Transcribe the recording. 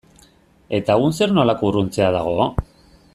Eta egun zer nolako urruntzea dago?